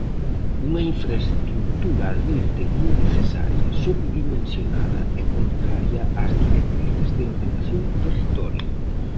Unha infraestrutura, advirten, "innecesaria", "sobredimensionada" e "contraria ás directrices de ordenación do territorio".